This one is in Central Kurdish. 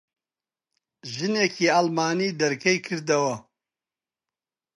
ژنێکی ئەڵمانی دەرکەی کردەوە.